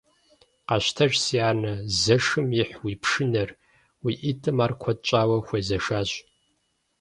Къэщтэж, си анэ, зэшым ихь уи пшынэр, уи ӀитӀым ар куэд щӀауэ хуезэшащ.